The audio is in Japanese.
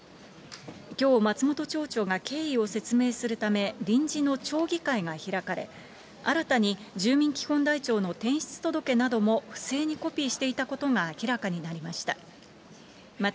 きょう、松本町長が経緯を説明するため、臨時の町議会が開かれ、新たに住民基本台帳の転出届なども不正にコピーしていたことが明らかになりました。